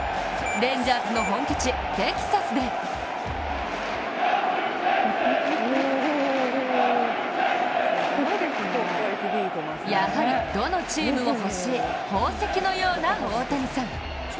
レンジャーズの本拠地・テキサスでやはりどのチームも欲しい宝石のような大谷さん。